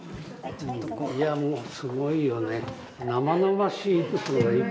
いやもうすごいよね。